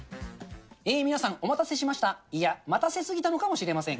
えー、皆さん、お待たせしました、いや、待たせ過ぎたのかもしれません。